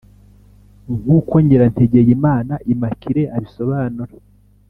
nk’uko Nyirantegeyimana Imamaculee abisobanura